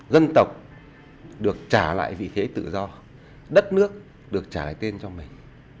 dân tộc được trả lại vị thế tự do đất nước được trả lại tên cho mình